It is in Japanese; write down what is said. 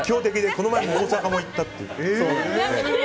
この前の大阪も行ったっていう。